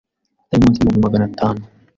atari munsi y’ibihumbi magana atanu